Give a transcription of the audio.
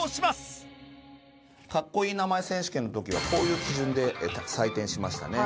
かっこいい名前選手権の時はこういう基準で採点しましたね。